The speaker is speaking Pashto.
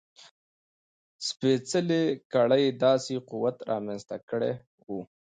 سپېڅلې کړۍ داسې قوت رامنځته کړی و.